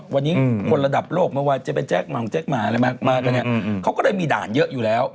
วันนี้คนระดับโลกเมื่อวันเจ็กมามาก็เนี่ยเขาก็เลยมีด่านเยอะอยู่แล้ว